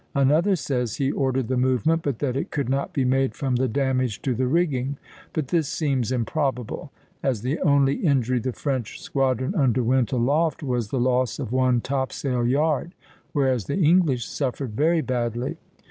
Another says he ordered the movement, but that it could not be made from the damage to the rigging; but this seems improbable, as the only injury the French squadron underwent aloft was the loss of one topsail yard, whereas the English suffered very badly.